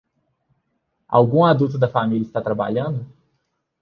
Algum adulto da família está trabalhando?